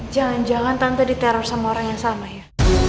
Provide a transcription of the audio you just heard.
jangan jangan tanpa diteror sama orang yang sama ya